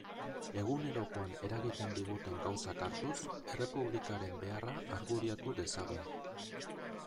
Egunerokoan eragiten diguten gauzak hartuz, Errepublikaren beharra argudiatu dezagun.